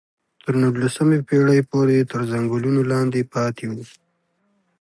تر نولسمې پېړۍ پورې تر ځنګلونو لاندې پاتې وو.